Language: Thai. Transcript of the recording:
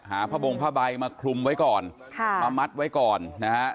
หาผ้าบงผ้าใบมาคลุมไว้ก่อนค่ะมามัดไว้ก่อนนะฮะ